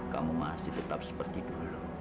kamu masih tetap seperti dulu